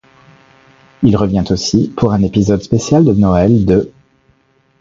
Il revient aussi pour un épisode spécial de Noël de '.